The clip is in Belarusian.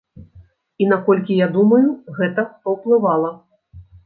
І наколькі я думаю, гэта паўплывала.